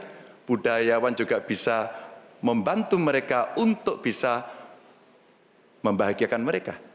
dan kemudian budayawan juga bisa membantu mereka untuk bisa membahagiakan mereka